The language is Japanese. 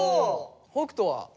北斗は？